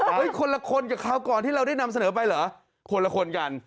คนละคนกับคราวก่อนที่เราได้นำเสนอไปเหรอคนละคนกัน